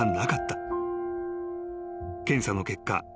［検査の結果